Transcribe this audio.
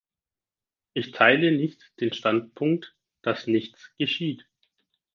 Ich teile nicht den Standpunkt, dass nichts geschieht.